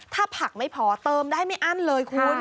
ถ้าผักไม่พอเติมได้ไม่อั้นเลยคุณ